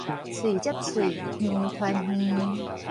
喙接喙，耳傳耳